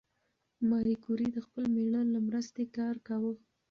ماري کوري د خپل مېړه له مرسته کار کاوه.